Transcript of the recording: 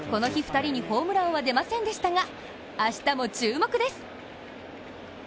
２人にホームランは出ませんでしたが、明日も注目です。